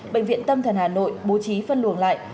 bệnh viện tâm thần hà nội bố trí phân luồng lại